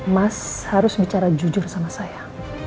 mas harus bicara jujur sama saya